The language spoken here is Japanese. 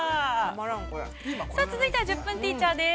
さあ、続いては「１０分ティーチャー」です。